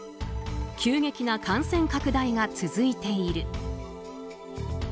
急激な感染拡大が続いている。